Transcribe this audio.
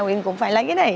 uyên cũng phải lấy cái này